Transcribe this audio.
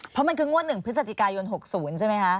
เพราะมันคืองวด๑พฤศจิกายน๖๐ใช่ไหมคะ